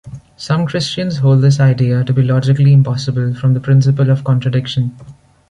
Some Christians hold this idea to be logically impossible from the Principle of contradiction.